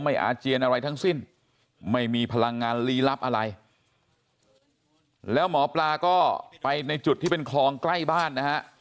อาเจียนอะไรทั้งสิ้นไม่มีพลังงานลีลับอะไรแล้วหมอปลาก็ไปในจุดที่เป็นคลองใกล้บ้านนะฮะ